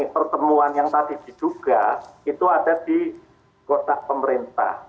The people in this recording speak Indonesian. pertemuan yang tadi diduga itu ada di kota pemerintah